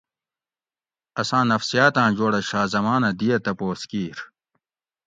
اساں نفسیاتاں جوڑہ شاہ زمانہ دی ا تپوس کیر